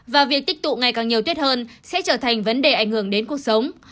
và việc tích tụ ngày càng nhiều tuyết hơn sẽ trở thành vấn đề ảnh hưởng đến cuộc sống